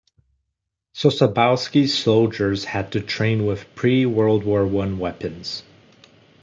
Sosabowski's soldiers had to train with pre-World War One weapons.